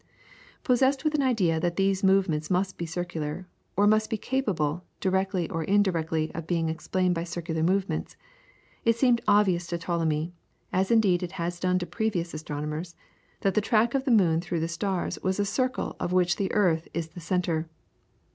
Possessed with the idea that these movements must be circular, or must be capable, directly or indirectly, of being explained by circular movements, it seemed obvious to Ptolemy, as indeed it had done to previous astronomers, that the track of the moon through the stars was a circle of which the earth is the centre.